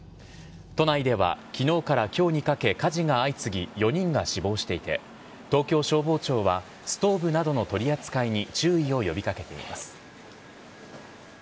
都内では、きのうからきょうにかけ、火事が相次ぎ、４人が死亡していて、東京消防庁は、ストーブなどの取り扱いに注意を呼びかけています。